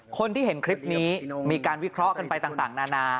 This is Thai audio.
คนที่เห็นคลิปนี้มีการวิเคราะห์กันไปต่างนานา